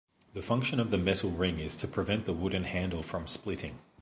The function of the metal ring is to prevent the wooden handle from splitting.